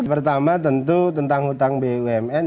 pertama tentu tentang hutang bumn